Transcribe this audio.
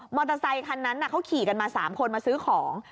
อเตอร์ไซคันนั้นเขาขี่กันมา๓คนมาซื้อของ